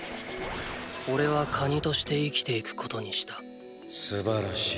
おれはカニとして生きていくことにしたすばらしい。